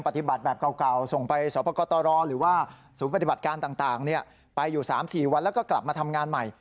ปฏิบัติการต่างไปอยู่๓๔วันแล้วก็กลับมาทำงานใหม่